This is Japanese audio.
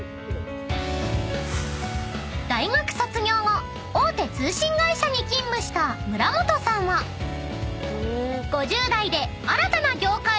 ［大学卒業後大手通信会社に勤務した村本さんは５０代で新たな業界にチャレンジ］